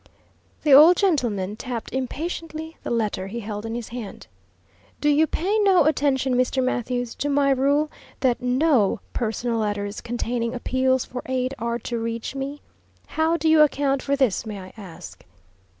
The old gentleman tapped impatiently the letter he held in his hand. "Do you pay no attention, Mr. Mathews, to my rule that NO personal letters containing appeals for aid are to reach me? How do you account for this, may I ask?"